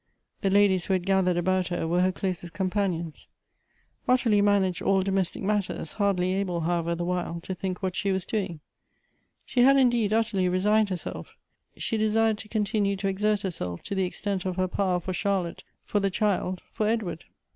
The ladies who had gath ered about her were her closest companions. Ottilie managed all domestic matters, hardly able, however, the while, to think what she was doing. She had indeed utterly resigned herself; she desired to continue to exert herself to the extent of her power for Charlotte, for the child, for Edward.